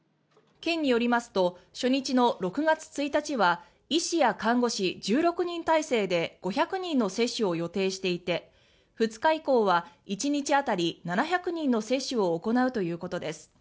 県によりますと初日の６月１日は医師や看護師１６人態勢で５００人の接種を予定していて２日以降は１日当たり７００人の接種を行うということです。